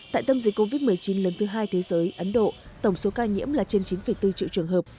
tại tâm dịch covid một mươi chín lớn thứ hai thế giới ấn độ tổng số ca nhiễm là trên chín bốn triệu trường hợp